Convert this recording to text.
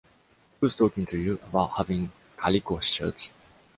Who's talking to you about having calico shirts?